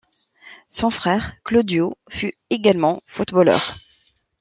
Son frère, Claudio, fut également footballeur.